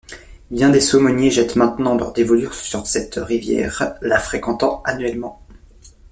Bien des saumoniers jettent maintenant leur dévolu sur cette rivière, la fréquentant annuellement.